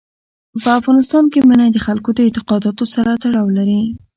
په افغانستان کې منی د خلکو د اعتقاداتو سره تړاو لري.